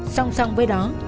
song song với đó